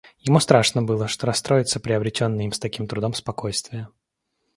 Ему страшно было, что расстроится приобретенное им с таким трудом спокойствие.